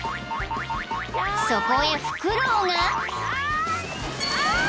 ［そこへフクロウが］